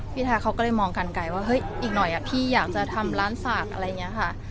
ทาเขาก็เลยมองกันไกลว่าเฮ้ยอีกหน่อยพี่อยากจะทำร้านฝากอะไรอย่างนี้ค่ะ